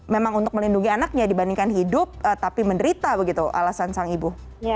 memang untuk melindungi anaknya dibandingkan hidup tapi menderita begitu alasan sang ibu